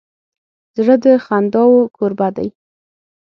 زړه د خنداوو کوربه دی.